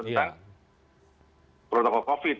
tentang protokol covid